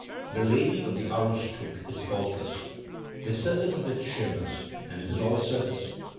"The Lady of the Aroostook" is faultless. The surface of it shimmers — and it is all surface.